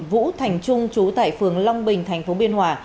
vũ thành trung chú tại phường long bình tp biên hòa